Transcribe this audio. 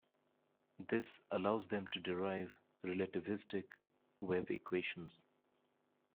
This allows them to derive relativistic wave equations.